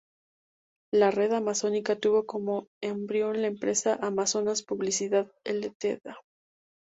La Red Amazónica tuvo como embrión la empresa "Amazonas Publicidad Ltda.